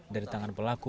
dari tangan pelaku